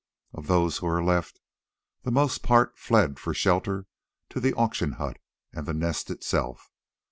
Of those who were left the most part fled for shelter to the auction hut and to the Nest itself.